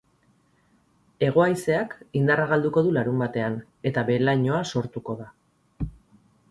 Hego-haizeak indarra galduko du larunbatean, eta behe-lainoa sortuko da.